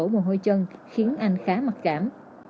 mồ hôi chân khiến anh khá mặc cảm